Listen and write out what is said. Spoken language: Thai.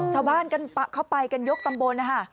ชาวบ้านเข้าไปกันยกตำบลนะคะ